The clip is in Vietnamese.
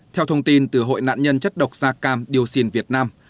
theo thông tin từ hội nạn nhân chất độc da cam dioxin việt nam